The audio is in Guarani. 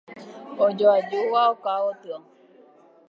Ojoajúva oka gotyo.